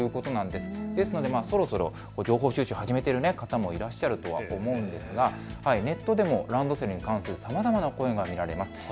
ですのでそろそろ情報収集を始めている方もいらっしゃると思うんですが、ネットでもランドセルに関するさまざまな声が見られます。